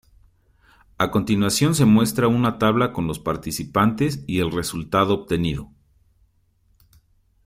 A continuación se muestra una tabla con los participantes y el resultado obtenido.